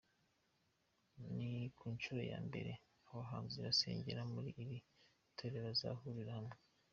Ni ku nshuro ya mbere abahanzi basengera muri iri torero bazahurira hamwe.